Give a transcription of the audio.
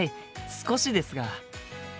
少しですが。